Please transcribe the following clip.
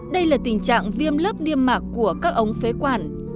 đây là tình trạng viêm lớp niêm mạc của các ống phế quản